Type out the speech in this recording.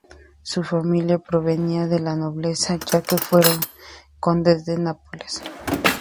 Su familia provenía de la nobleza, ya que fueron condes de Nápoles.